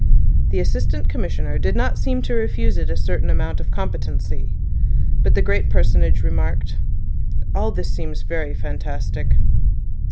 The Assistant Commissioner did not seem to refuse it a certain amount of competency. But the great personage remarked: "All this seems very fantastic."